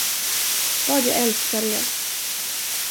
Vad jag älskar er!